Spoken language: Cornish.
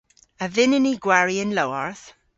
A vynnyn ni gwari y'n lowarth?